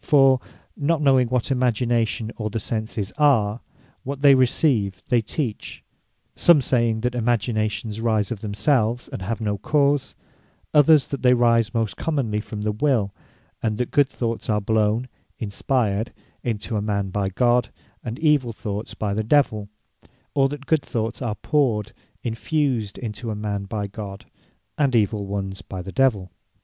For (not knowing what Imagination, or the Senses are), what they receive, they teach: some saying, that Imaginations rise of themselves, and have no cause: Others that they rise most commonly from the Will; and that Good thoughts are blown (inspired) into a man, by God; and evill thoughts by the Divell: or that Good thoughts are powred (infused) into a man, by God; and evill ones by the Divell.